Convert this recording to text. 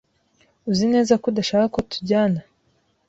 Uzi neza ko udashaka ko tujyana?